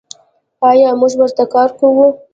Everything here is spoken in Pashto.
آیا موږ ورته کار کوو؟